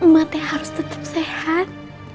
mak teh harus tetap sehat